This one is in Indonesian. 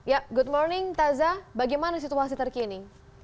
ya good morning taza bagaimana situasi terkini